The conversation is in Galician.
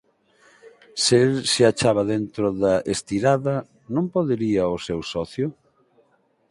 se el se achaba dentro da Estirada, ¿non podería o seu socio...?